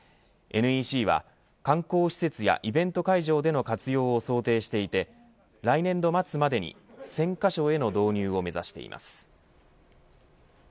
ＮＥＣは、観光施設やイベント会場での活用を想定していて来年度末までに１０００カ所への導入を目指しています。